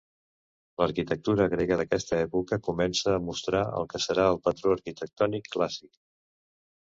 L'arquitectura grega d'aquesta època comença a mostrar el que serà el patró arquitectònic clàssic.